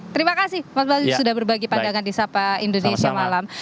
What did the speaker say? terima kasih mas bayu sudah berbagi pandangan di sapa indonesia malam